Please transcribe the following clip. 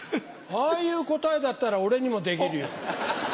ああいう答えだったら俺にもできるよ。